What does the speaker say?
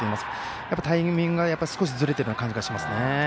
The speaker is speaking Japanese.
タイミングが少しずれている感じがしますね。